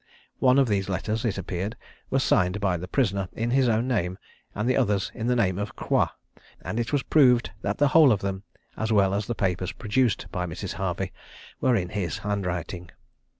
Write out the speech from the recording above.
One of these letters, it appeared, was signed by the prisoner, in his own name, and the others in the name of Croix; and it was proved that the whole of them, as well as the papers produced by Mrs. Harvey, were in his handwriting.